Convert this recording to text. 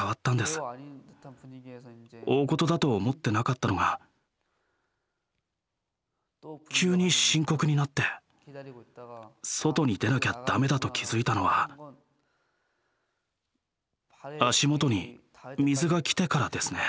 大ごとだと思ってなかったのが急に深刻になって外に出なきゃダメだと気付いたのは足元に水が来てからですね。